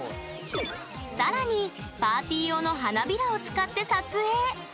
さらにパーティー用の花びらを使って撮影。